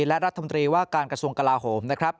และรัฐมนตรีว่าการกระทรวงกลาโหมนะครับ